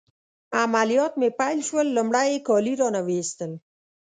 عملیات مې پیل شول، لمړی يې کالي رانه وایستل.